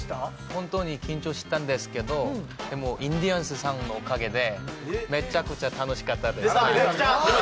本当に緊張したんですけどでもインディアンスさんのおかげでめちゃくちゃ楽しかったです・